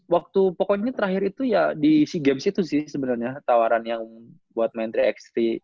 waktu pokoknya terakhir itu ya di sea games itu sih sebenarnya tawaran yang buat main tiga x tiga